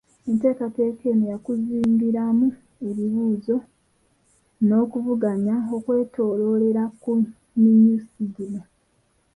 Enteekateeka eno yakuzingiramu ebibuuzo n’okuvuganya okwetoloolera ku minyusi gino